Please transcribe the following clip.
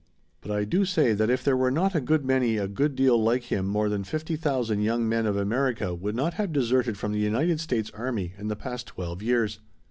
But I do say that if there were not a good many a good deal like him more than fifty thousand young men of America would not have deserted from the United States army in the past twelve years.